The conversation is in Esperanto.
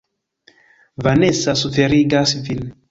Vanesa suferigas vin.